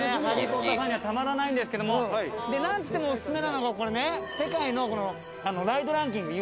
『ハリポタ』ファンにはたまらないんですけども何つってもお薦めなのがこれね世界のライドランキング遊園地のね。